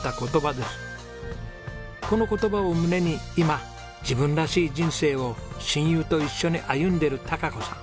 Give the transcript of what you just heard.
この言葉を胸に今自分らしい人生を親友と一緒に歩んでる貴子さん。